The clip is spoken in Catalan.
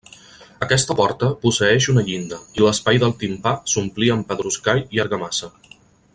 Aquesta porta posseeix una llinda, i l'espai del timpà s'omplí amb pedruscall i argamassa.